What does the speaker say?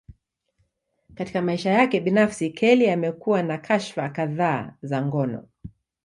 Katika maisha yake binafsi, Kelly amekuwa na kashfa kadhaa za ngono.